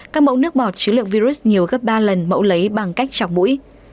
các mẫu nước bọt chứa lượng virus nhiều gấp ba lần mẫu lấy bằng cách chọc mũi